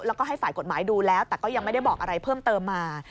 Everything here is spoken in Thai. แล้วก็ให้ฝ่ายกฎหมายดูแล้วแต่ก็ยังไม่ได้บอกอะไรเพิ่มเติมมา